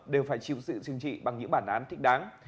đều phải chịu sự chừng trị bằng những bản án thích đáng